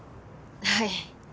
はい。